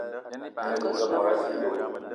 A ne zeze mot a sii ndonn